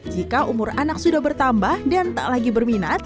jika umur anak sudah bertambah dan tak lagi berminat